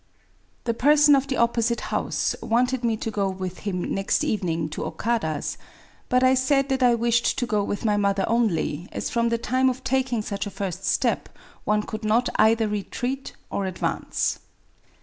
The person of the opposite house wanted me to go with him next evening to Okada's ; but I said that I wished to go with my mother only, as from the time of taking such a first step one could not either retreat or advance.